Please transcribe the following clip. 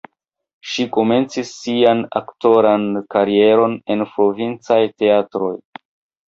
Ŝi komencis sian aktoran karieron en provincaj teatroj.